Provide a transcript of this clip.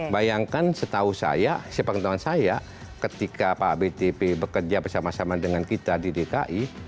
bayangkan setahu saya sepengetahuan saya ketika pak btp bekerja bersama sama dengan kita di dki